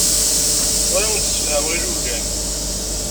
Ur awen-d-ssefhameɣ alugen.